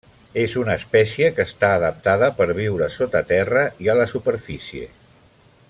És una espècie que està adaptada per viure sota terra i a la superfície.